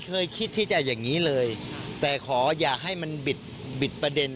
ก็คิดใอย่างนี้เลยแต่ขออยากให้มันบิดประเด็น